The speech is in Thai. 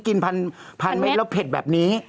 กินพันเม็ดแล้วเผ็ดแบบนี้